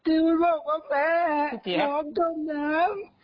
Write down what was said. จิลมันบอกว่าแม่หอมจมน้ำ